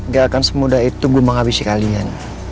gak akan semudah itu gue menghabisi kalian